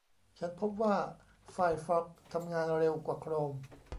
ฉันพบว่าไฟร์ฟอกซ์ทำงานเร็วกว่าโครม